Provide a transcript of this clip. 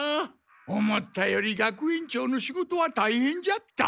思ったより学園長の仕事はたいへんじゃった。